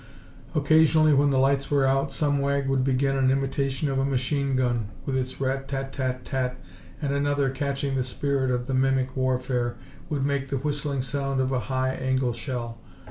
Occasionally, when the lights were out, some wag would begin an imitation of a machine gun, with its rat tat tat tat, and another, catching the spirit of the mimic warfare, would make the whistling sound of a high angle shell.